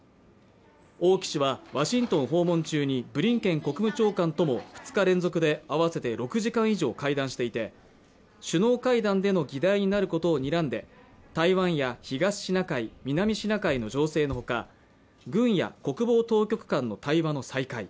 王毅氏はワシントン訪問中にブリンケン国務長官と２日連続で合わせて６時間以上会談していて首脳会談での議題になることをにらんで台湾や東シナ海南シナ海の情勢のほか軍や国防当局間の対話の再開